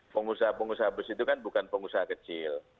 pengusaha pengusaha bus itu kan bukan pengusaha kecil